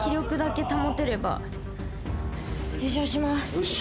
よし！